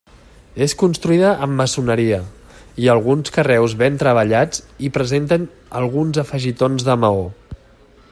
És construïda amb maçoneria i alguns carreus ben treballats i presenten alguns afegitons de maó.